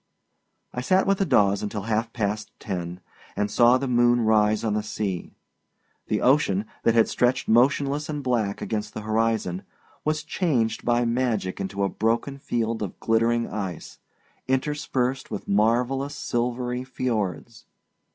I sat with the Daws until half past ten, and saw the moon rise on the sea. The ocean, that had stretched motionless and black against the horizon, was changed by magic into a broken field of glittering ice, interspersed with marvellous silvery fjords.